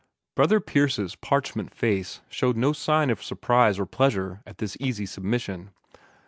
Brother Pierce's parchment face showed no sign of surprise or pleasure at this easy submission.